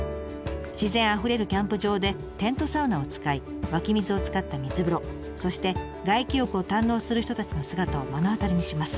自然あふれるキャンプ場でテントサウナを使い湧き水を使った水風呂そして外気浴を堪能する人たちの姿を目の当たりにします。